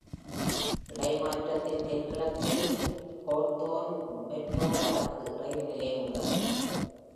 இடைமாற்றத்தின் தென்கிழக்கே Hawthorne மெட்ரோ-வடக்கு இரயில் நிலையம் உள்ளது.